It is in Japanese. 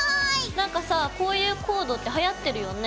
何かさこういうコードってはやってるよね？